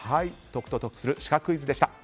解くと得するシカクイズでした。